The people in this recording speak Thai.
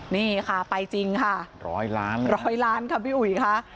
นี่ค่ะไปจริงค่ะ๑๐๐ล้านค่ะพี่อุ๋ยค่ะ